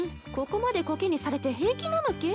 ここまでコケにされて平気なのけ？